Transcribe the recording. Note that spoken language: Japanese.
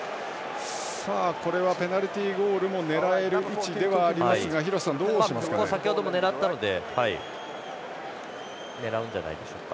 これはペナルティーゴールも狙える位置ではありますが先程も狙ったので狙うんじゃないでしょうか。